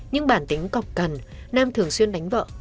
nhưng bản tính cọc cần nam thường xuyên đánh vợ